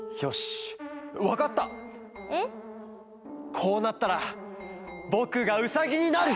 こうなったらぼくがウサギになる！